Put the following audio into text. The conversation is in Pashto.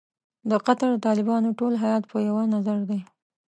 د قطر د طالبانو ټول هیات په یوه نظر دی.